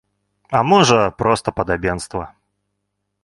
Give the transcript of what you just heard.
А можа, проста падабенства.